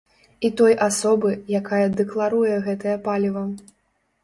І той асобы, якая дэкларуе гэтае паліва.